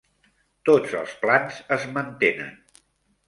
Tots els plans es mantenen